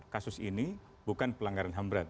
kasus ini bukan pelanggaran hambrat